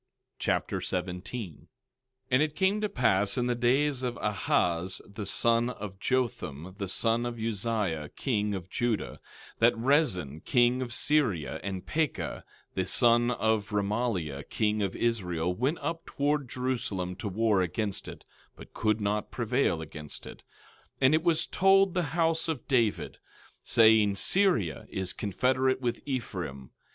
2 Nephi Chapter 17 17:1 And it came to pass in the days of Ahaz the son of Jotham, the son of Uzziah, king of Judah, that Rezin, king of Syria, and Pekah the son of Remaliah, king of Israel, went up toward Jerusalem to war against it, but could not prevail against it. 17:2 And it was told the house of David, saying: Syria is confederate with Ephraim.